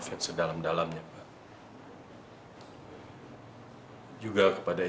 bimbangi yang juga kau